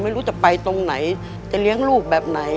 ไม่รู้จะไปตรงไหนจะเลี้ยงลูกแบบไหน